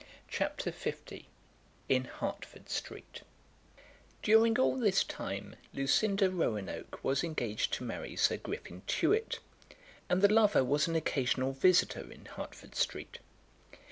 CHAPTER L In Hertford Street During all this time Lucinda Roanoke was engaged to marry Sir Griffin Tewett, and the lover was an occasional visitor in Hertford Street.